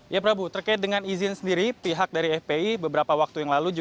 ya prabu terkait dengan izin sendiri pihak dari fpi beberapa waktu yang lalu